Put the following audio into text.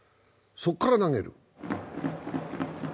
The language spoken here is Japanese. そこから投げる。